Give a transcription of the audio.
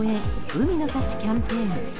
海の幸キャンペーン。